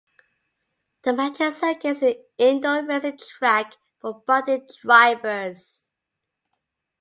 The Magic Circuit is an indoor racing track for budding drivers.